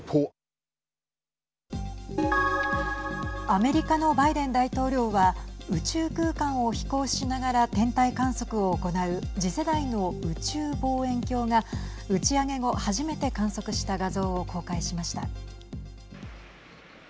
アメリカのバイデン大統領は宇宙空間を飛行しながら天体観測を行う次世代の宇宙望遠鏡が打ち上げ後、初めて観測した画像を公開しました。